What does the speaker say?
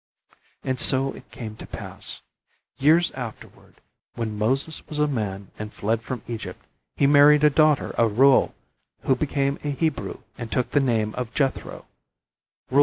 And so it came to pass. Years afterward, when Moses was a man and fled from Egypt, he married a daughter of Reuel who became a Hebrew and took the name of Jethro.